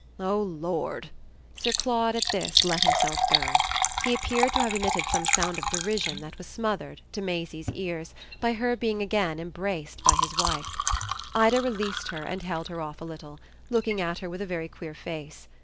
"Oh Lord!" Sir Claude, at this, let himself go. He appeared to have emitted some sound of derision that was smothered, to Maisie's ears, by her being again embraced by his wife. Ida released her and held her off a little, looking at her with a very queer face.